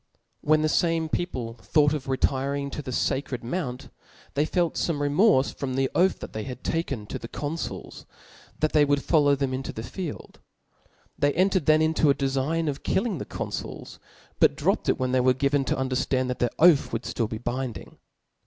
When the feme people thought of retiring to the Sacred: Mount j they felt fome :remorfe from the oath they had taken to the Confuls, that they would follow them into the field ('). They entered {') ibid, then into a defiga* of killing theConfulsj but^®^^^* dropped it, when they were given to underftand that their oath would ftill be binding.